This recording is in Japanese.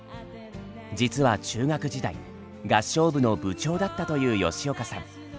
実は中学時代合唱部の部長だったという吉岡さん。